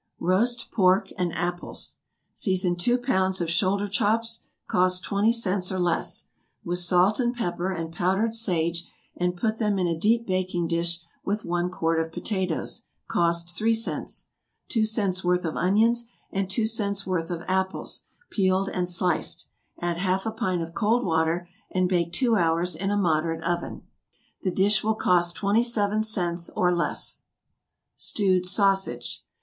=Roast Pork and Apples.= Season two pounds of shoulder chops, (cost twenty cents, or less,) with salt and pepper, and powdered sage, and put them in a deep baking dish with one quart of potatoes, (cost three cents,) two cents' worth of onions, and two cents' worth of apples, peeled and sliced; add half a pint of cold water, and bake two hours in a moderate oven. The dish will cost twenty seven cents, or less. =Stewed Sausage.